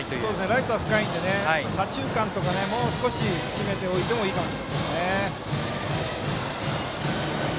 ライトは深いので左中間とか、もう少し締めておいてもいいかもしれません。